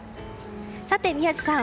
さて、宮司さん。